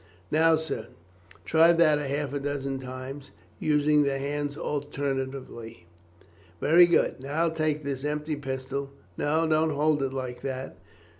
Now, sir, try that half a dozen times, using the hands alternately. Very good! Now take this empty pistol no, don't hold it like that!